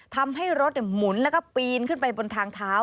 ทำให้รถหมุนแล้วก็ปีนขึ้นไปบนทางเท้า